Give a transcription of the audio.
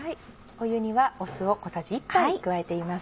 湯には酢を小さじ１杯加えています。